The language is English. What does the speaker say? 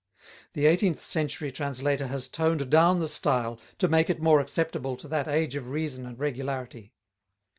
The eighteenth century translator has toned down the style to make it more acceptable to that age of reason and regularity.